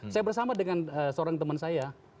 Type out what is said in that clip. saya bersama dengan seorang teman saya